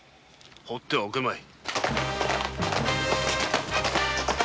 ほうってはおけまい。